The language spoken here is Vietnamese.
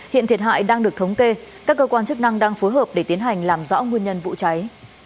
hiện thiệt hại đang được thống kê các cơ quan chức năng đang phối hợp để tiến hành làm rõ nguyên nhân vụ cháy